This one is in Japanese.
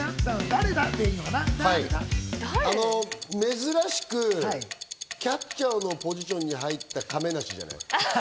珍しくキャッチャーのポジションに入った亀梨じゃない？